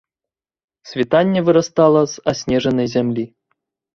Світанне вырастала з аснежанай зямлі.